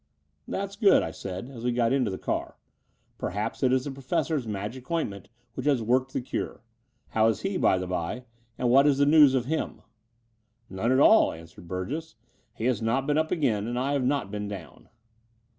"That's good," I said, as we got into the car. "Perhaps it is the Professor's magic ointment which has worked the cure. How is he, by the by, and what is the news of him?" '* None at all, " answered Burgess. '* He has not been up again, and I have not been down."